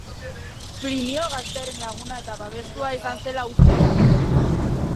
Plinio gaztearen laguna eta babestua izan zela uste da.